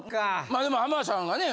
まあでも浜田さんがね